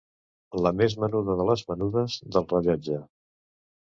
La més menuda de les menudes del rellotge.